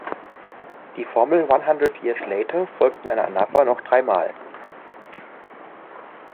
Die Formel „one hundred years later“ folgt in einer Anapher noch dreimal.